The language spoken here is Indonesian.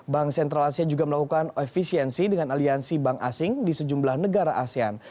bank sentral asia juga melakukan efisiensi dengan aliansi bank asing di sejumlah negara asean